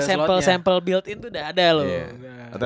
sample sample build in tuh udah ada loh